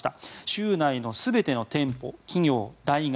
州内の全ての店舗企業、大学